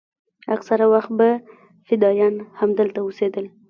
اکثره وخت به فدايان همدلته اوسېدل.